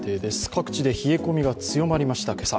各地で今朝、冷え込みが強まりました。